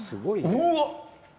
うわっ！